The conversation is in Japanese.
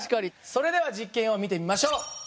それでは実験を見てみましょう。